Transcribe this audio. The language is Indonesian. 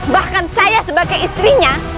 bahkan saya sebagai istrinya